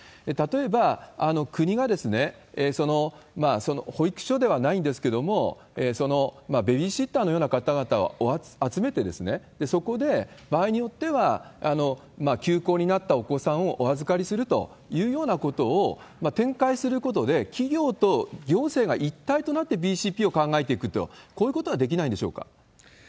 例えば、国が保育所ではないんですけれども、ベビーシッターのような方々を集めて、そこで場合によっては休校になったお子さんをお預かりするというようなことを展開することで、企業と行政が一体となってＢＣＰを考えていくと、こういうことはできないんでしょうか。